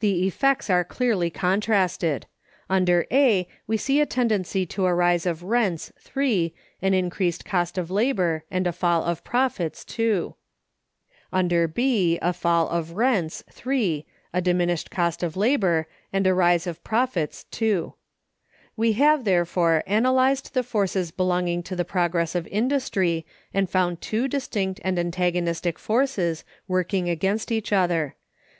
The effects are clearly contrasted. Under A, we see a tendency to a rise of rents (3), an increased cost of labor, and a fall of profits (2); under B, a fall of rents (3), a diminished cost of labor, and a rise of profits (2). We have, therefore, analyzed the forces belonging to the progress of industry, and found two distinct and antagonistic forces, working against each other.